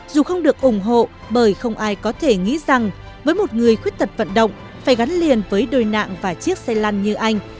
dù không được ủng hộ bởi không ai có thể nghĩ rằng với một người khuyết tật vận động phải gắn liền với đôi nạng và chiếc xe lăn như anh